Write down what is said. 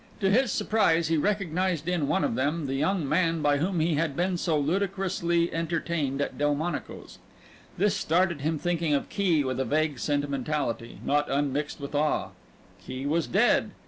To his surprise he recognized in one of them the young man by whom he had been so ludicrously entertained at Delmonico's. This started him thinking of Key with a vague sentimentality, not unmixed with awe. Key was dead.